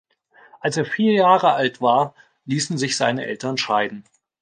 Als er vier Jahre alt war, ließen sich seine Eltern scheiden.